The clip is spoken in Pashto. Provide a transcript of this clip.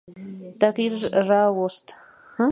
تغییر را ووست.